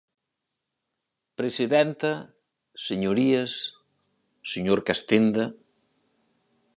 Presidenta, señorías, señor Castenda.